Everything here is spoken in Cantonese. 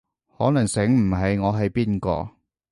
可能醒唔起我係邊個